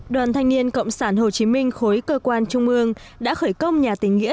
đoàn thanh niên cộng sản hồ chí minh khối cơ quan trung ương đã khởi công nhà tình nghĩa